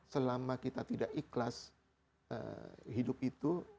selama kita tidak ikhlas hidup itu